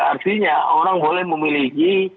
artinya orang boleh memiliki